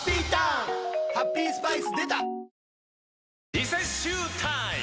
リセッシュータイム！